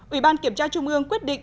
ủy ban kiểm tra trung ương quyết định